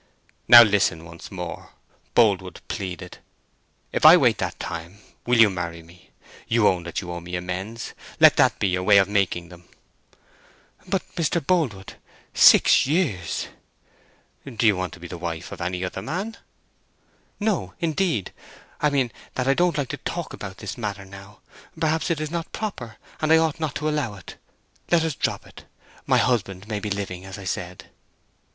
"Now listen once more," Boldwood pleaded. "If I wait that time, will you marry me? You own that you owe me amends—let that be your way of making them." "But, Mr. Boldwood—six years—" "Do you want to be the wife of any other man?" "No indeed! I mean, that I don't like to talk about this matter now. Perhaps it is not proper, and I ought not to allow it. Let us drop it. My husband may be living, as I said."